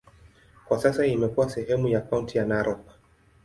Kwa sasa imekuwa sehemu ya kaunti ya Narok.